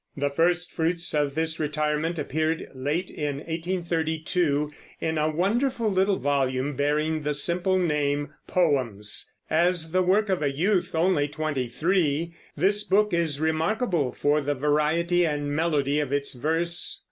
The first fruits of this retirement appeared, late in 1832, in a wonderful little volume bearing the simple name Poems. As the work of a youth only twenty three, this book is remarkable for the variety and melody of its verse.